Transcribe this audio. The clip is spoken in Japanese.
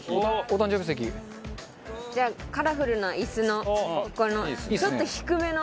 仲：じゃあ、カラフルな椅子のこの、ちょっと低めの。